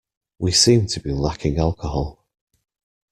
We seem to be lacking alcohol.